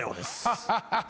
ハハハッ！